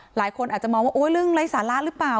หลายคนอาจจะมองว่าโอ๊ยเรื่องไร้สาระหรือเปล่า